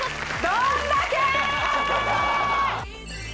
どんだけ！